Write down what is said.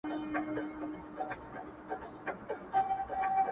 o اوس که چپ یمه خاموش یم وخت به راسي,